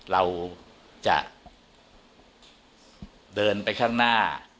เราจะเดินไปข้างหน้า